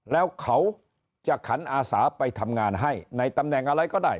แล้วเขาจะขันอาสาไปทำงานให้ในตำแหน่งอะไรก็ได้